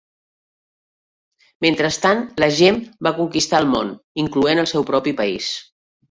Mentrestant, la "Gem" va conquistar el món, incloent el seu propi país.